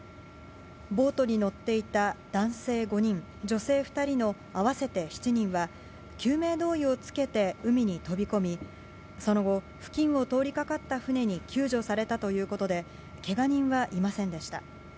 ボートに乗っていた男性５人、女性２人の合わせて７人は、救命胴衣を着けて海に飛び込み、その後、付近を通りかかった船に救助されたということで、けが人はいませんでした。